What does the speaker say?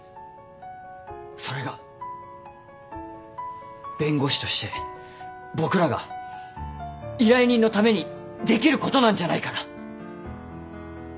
それが弁護士として僕らが依頼人のためにできることなんじゃないかな。